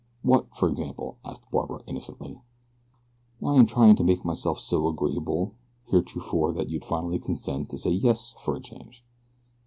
"What, for example?" asked Barbara, innocently. "Why in trying to make myself so agreeable heretofore that you'd finally consent to say 'yes' for a change."